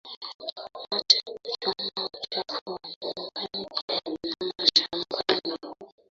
acha kuchoma uchafu wa nyumbani na wa shambani